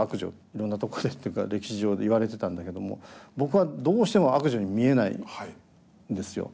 いろんなとこでっていうか歴史上でいわれてたんだけども僕はどうしても悪女に見えないんですよ。